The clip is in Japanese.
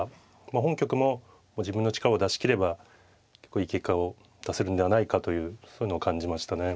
本局も自分の力を出し切ればいい結果を出せるんではないかというそういうのを感じましたね。